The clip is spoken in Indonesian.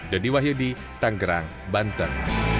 dedi wahyudi tanggerang banten